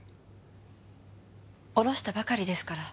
下ろしたばかりですから。